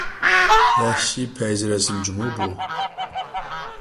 ۋەھشىي پەيزى رەسىم جۇمۇ بۇ!